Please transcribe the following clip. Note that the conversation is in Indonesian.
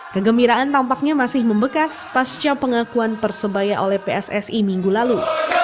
kegembiraan tampaknya masih membekas pasca pengakuan persebaya oleh pssi minggu lalu